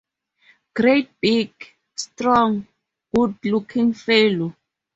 Great big, strong, good-looking fellow.